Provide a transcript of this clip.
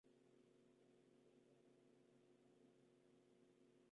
It's The Hair Bear Bunch".